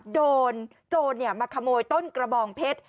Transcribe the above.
โจรมาขโมยต้นกระบองเพชร